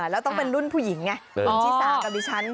แล้วต้องเป็นรุ่นผู้หญิงไงคุณชิสากับดิฉัน